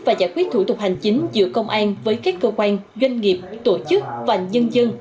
và giải quyết thủ tục hành chính giữa công an với các cơ quan doanh nghiệp tổ chức và nhân dân